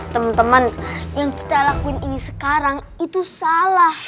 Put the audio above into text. teman teman yang kita lakuin ini sekarang itu salah